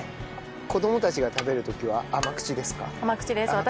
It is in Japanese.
子供たちが食べる時は甘口ですか？